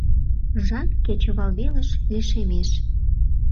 Жап кечывал велыш лишемеш.